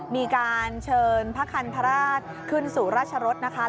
มีการเชิญพระคันธราชขึ้นสู่ราชรสนะคะ